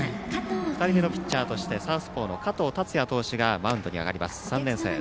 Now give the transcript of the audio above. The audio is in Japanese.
２人目のピッチャーとしてサウスポーの加藤達哉投手がマウンドに上がります。